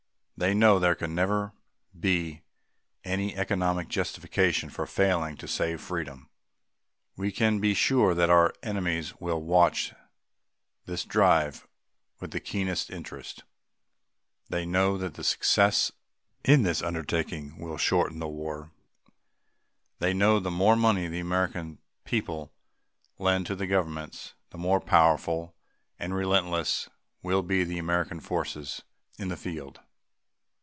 They know there can never be any economic justification for failing to save freedom. We can be sure that our enemies will watch this drive with the keenest interest. They know that success in this undertaking will shorten the war. They know that the more money the American people lend to their government, the more powerful and relentless will be the American forces in the field.